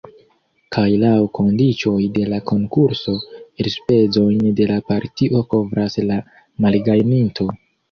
Kaj laŭ kondiĉoj de la konkurso elspezojn de la partio kovras la malgajninto.